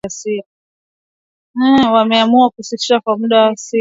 Wameamua kusitisha kwa muda mazungumzo yake ya siri